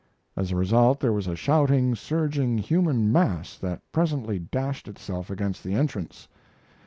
As a result there was a shouting, surging human mass that presently dashed itself against the entrance.